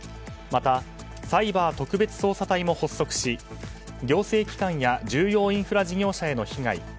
またサイバー特別捜査隊も発足し行政機関や重要インフラ事業者への被害